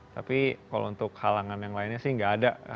tapi kalau untuk halangan yang lainnya sih nggak ada